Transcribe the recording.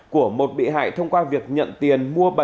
của một bị hại thông qua việc nhận tiền